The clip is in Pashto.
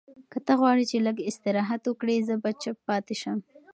که ته غواړې چې لږ استراحت وکړې، زه به چپ پاتې شم.